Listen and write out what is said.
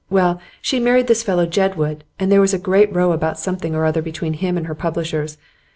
Well, she married this fellow Jedwood, and there was a great row about something or other between him and her publishers.